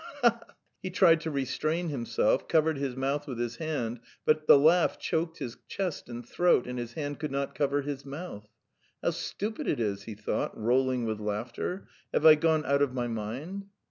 Ha ha ha!" He tried to restrain himself, covered his mouth with his hand, but the laugh choked his chest and throat, and his hand could not cover his mouth. "How stupid it is!" he thought, rolling with laughter. "Have I gone out of my mind?"